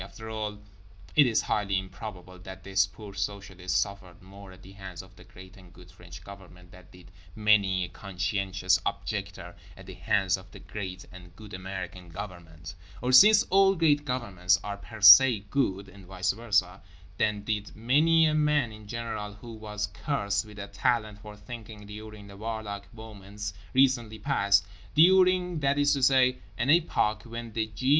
After all, it is highly improbable that this poor socialist suffered more at the hands of the great and good French government than did many a Conscientious Objector at the hands of the great and good American government; or—since all great governments are per se good and vice versa—than did many a man in general who was cursed with a talent for thinking during the warlike moments recently passed; during, that is to say, an epoch when the g.